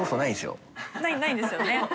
緑川）ないんですよね。